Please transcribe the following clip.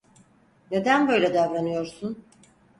Neden böyle davranıyorsun?